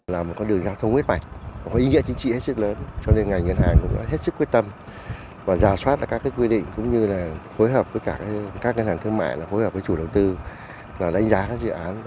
là một con đường giao thông huyết mạch có ý nghĩa chính trị hết sức lớn cho nên ngành ngân hàng cũng đã hết sức quyết tâm và giả soát lại các quy định cũng như là phối hợp với cả các ngân hàng thương mại phối hợp với chủ đầu tư và đánh giá các dự án